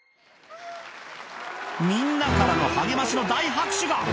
みんなからの励ましの大拍手が。